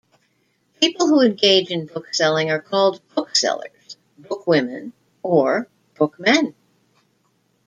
People who engage in bookselling are called booksellers, bookwomen, or bookmen.